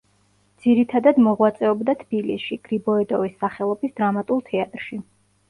ძირითადად მოღვაწეობდა თბილისში, გრიბოედოვის სახელობის დრამატულ თეატრში.